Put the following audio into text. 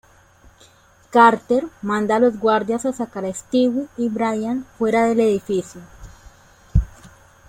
Carter manda a los guardias a sacar a Stewie y Brian fuera del edificio.